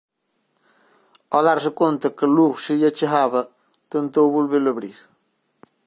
Ao darse conta que Lug se lle achegaba tentou volvelo abrir.